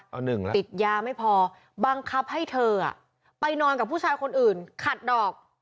เอาหนึ่งแล้วติดยาไม่พอบังคับให้เธอไปนอนกับผู้ชายคนอื่นขัดดอก